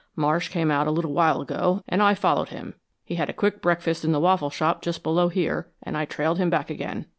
Marsh came out a little while ago and I followed him. He had a quick breakfast in the waffle shop just below here, and I trailed him back again."